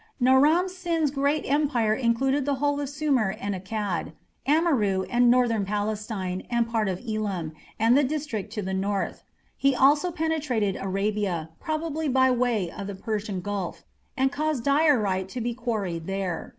Naram Sin's great empire included the whole of Sumer and Akkad, Amurru and northern Palestine, and part of Elam, and the district to the north. He also penetrated Arabia, probably by way of the Persian Gulf, and caused diorite to be quarried there.